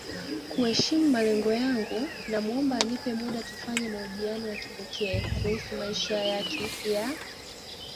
kuheshimu malengo yangu namuomba anipe muda tufanye mahojiano ya kipekee kuhusu maisha yake ya